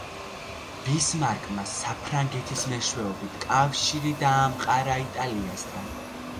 ბისმარკმა საფრანგეთის მეშვეობით კავშირი დაამყარა იტალიასთან.